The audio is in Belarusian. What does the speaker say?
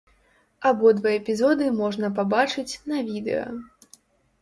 Абодва эпізоды можна пабачыць на відэа.